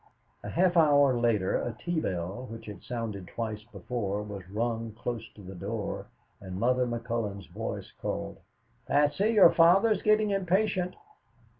A half hour later a tea bell which had sounded twice before was rung close to the door and Mother McCullon's voice called, "Patsy, your father's getting impatient."